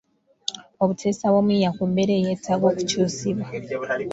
Obuteesa bw’omuyiiya ku mbeera eyeetaaga okukyusibwa